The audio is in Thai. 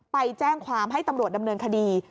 ไปแจ้งความให้ตำรวจดำเนินคดี